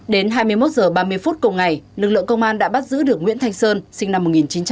đến hai mươi một h ba mươi phút cùng ngày lực lượng công an đã bắt giữ được nguyễn thanh sơn sinh năm một nghìn chín trăm tám mươi